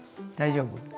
大丈夫？